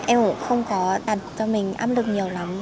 em cũng không có đặt cho mình áp lực nhiều lắm